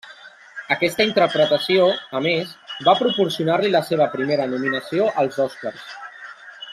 Aquesta interpretació, a més, va proporcionar-li la seva primera nominació als Oscars.